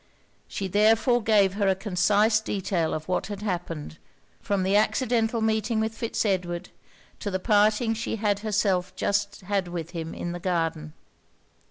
She therefore gave her a concise detail of what had happened; from the accidental meeting with Fitz Edward, to the parting she had herself just had with him in the garden.